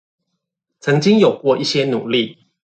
曾經有過一些努力